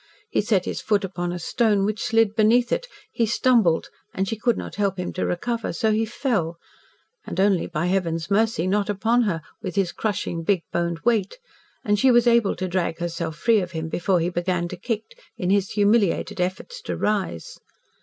He set his foot upon a stone which slid beneath it, he stumbled, and she could not help him to recover, so he fell, and only by Heaven's mercy not upon her, with his crushing, big boned weight, and she was able to drag herself free of him before he began to kick, in his humiliated efforts to rise.